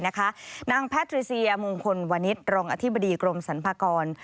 นางแพทริเซียมงคลวนิษฐ์รองอธิบดีกรมสรรพากร